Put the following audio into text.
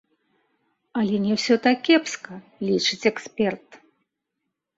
Але не ўсё так кепска, лічыць эксперт.